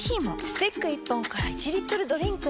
スティック１本から１リットルドリンクに！